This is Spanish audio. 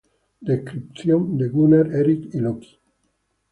Descripción de Gunnar, Erik y Loki: Pág.